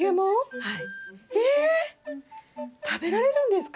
はい。